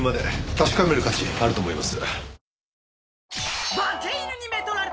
確かめる価値あると思います。